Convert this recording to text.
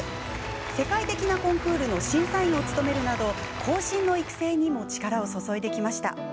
世界的なコンクールの審査員を務めるなど後進の育成に力を注いできました。